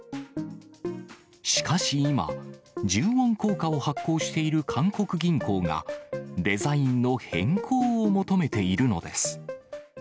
しかし今、１０ウォン硬貨を発行している韓国銀行が、デザインの変更を求めているのです。